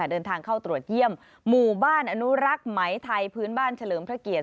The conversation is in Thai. เดินทางเข้าตรวจเยี่ยมหมู่บ้านอนุรักษ์ไหมไทยพื้นบ้านเฉลิมพระเกียรติ